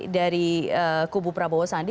dari kubu prabowo sandi